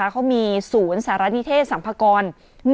เขามีศูนย์สารณิเทศสัมพกร๑๑๖๑